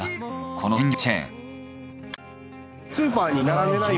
この鮮魚チェーン。